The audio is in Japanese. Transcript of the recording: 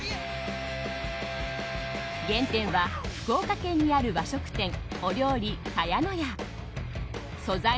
原点は福岡県にある和食店